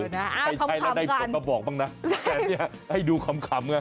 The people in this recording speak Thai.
ไงใช่ให้ดูคล้ำ